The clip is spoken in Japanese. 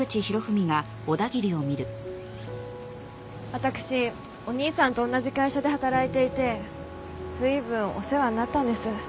私お兄さんとおんなじ会社で働いていてずいぶんお世話になったんです。